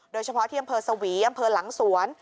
โดยเฉพาะที่อำเภอสวีอำเภอหลังสวน